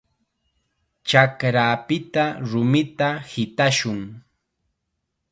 Chakrapita rumita hitashun.